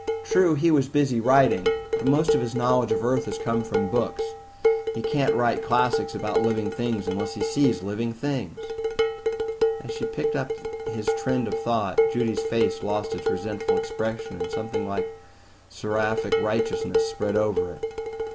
True, he was busy writing. But most of his knowledge of Earth has come from books; he can't write classics about living things unless he sees living things." As she picked up his trend of thought, Judy's face lost its resentful expression, and something like seraphic righteousness spread over it.